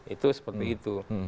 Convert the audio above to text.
itu seperti itu